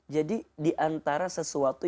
jadi diantara sesuatu